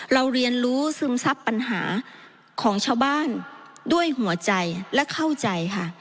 เรียนรู้ซึมซับปัญหาของชาวบ้านด้วยหัวใจและเข้าใจค่ะ